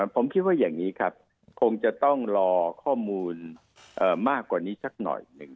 ผมคิดว่าอย่างนี้ครับคงจะต้องรอข้อมูลมากกว่านี้สักหน่อยหนึ่ง